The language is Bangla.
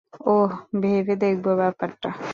ওহ, ভেবে দেখব ব্যাপারটা।